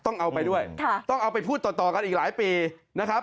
ต้องเอาไปด้วยต้องเอาไปพูดต่อกันอีกหลายปีนะครับ